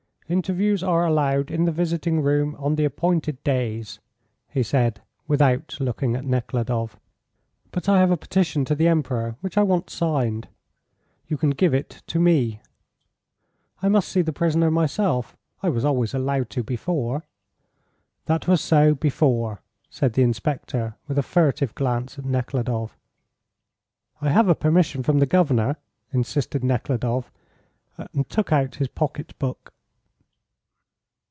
"Interviews are allowed in the visiting room on the appointed days," he said, without looking at Nekhludoff. "But I have a petition to the Emperor, which I want signed." "You can give it to me." "I must see the prisoner myself. I was always allowed to before." "That was so, before," said the inspector, with a furtive glance at Nekhludoff. "I have a permission from the governor," insisted Nekhludoff, and took out his pocket book.